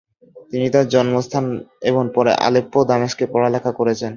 তিনি তার জন্মস্থান এবং পরে আলেপ্পো ও দামেস্কে লেখাপড়া করেছেন।